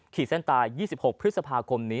ขีดเส้นตาย๒๖พฤษภาคมนี้